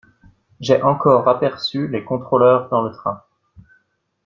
J'ai encore aperçu les contrôleurs dans le train.